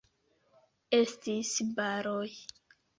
Estis baroj.